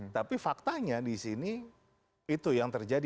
tapi faktanya di sini itu yang terjadi